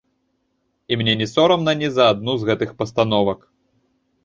І мне не сорамна ні за адну з гэтых пастановак.